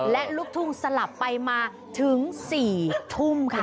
และลูกทุ่งสลับไปมาถึง๔ทุ่มค่ะ